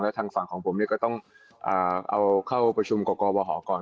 ทางฝั่งของผมเนี่ยก็ต้องเอาเข้าประชุมกรกบหก่อน